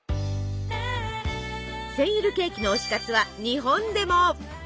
センイルケーキの推し活は日本でも。